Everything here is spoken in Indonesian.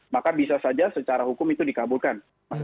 maka bisa saja secara hukum itu dikabulkan